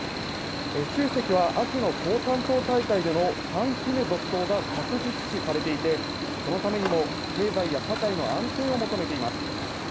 シュウ主席は秋の共産党大会での３期目続投が確実視されていて、そのためにも経済や社会の安定を求めています。